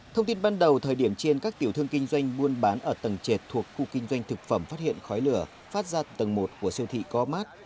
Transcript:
thông tin ban đầu thời điểm trên các tiểu thương kinh doanh buôn bán ở tầng trệt thuộc khu kinh doanh thực phẩm phát hiện khói lửa phát ra tầng một của siêu thị có mát